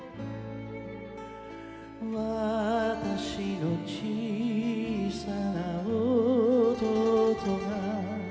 「私の小さな弟が」